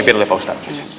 baik ya pak ustadz